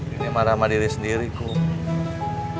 ini marah sama diri sendiri kum